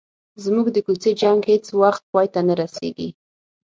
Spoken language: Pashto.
زموږ د کوڅې جنګ هیڅ وخت پای ته نه رسيږي.